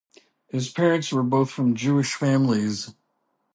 His parents were both from Jewish families.